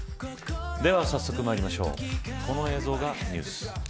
では、早速まいりましょうこの映像がニュース。